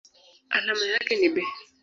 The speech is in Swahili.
Alama yake ni Be.